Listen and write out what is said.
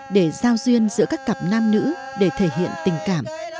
để giao duyên giữa các cặp nam nữ để thể hiện tình cảm